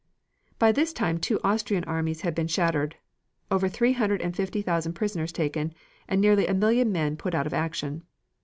By this time two Austrian armies had been shattered, over three hundred and fifty thousand prisoners taken, and nearly a million men put out of action.